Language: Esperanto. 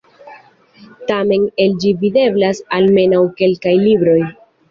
Tamen el ĝi videblas almenaŭ kelkaj libroj.